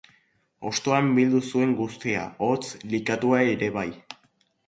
Hostoan bildu zuen guztia, hotz, likatuta ere bai.